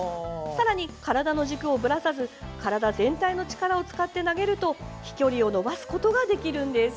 さらに、体の軸をぶらさず体全体の力を使って投げると飛距離を伸ばすことができるんです。